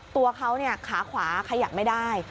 ตัวเขาขาขวาขยับไม่ได้